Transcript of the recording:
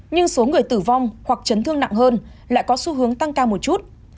nhưng số người tử vong hoặc chấn thương nặng hơn lại có xu hướng tăng cao một chút